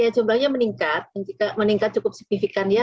jumlahnya meningkat cukup signifikan ya